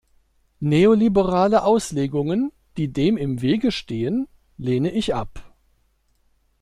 Neoliberale Auslegungen, die dem im Wege stehen, lehne ich ab.